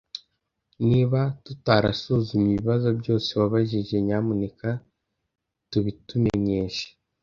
Niba tutarasuzumye ibibazo byose wabajije, nyamuneka tubitumenyeshe.